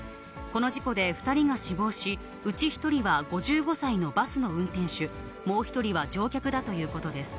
この事故で２人が死亡し、うち１人は５５歳のバスの運転手、もう１人は乗客だということです。